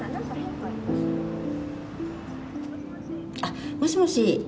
あっもしもし？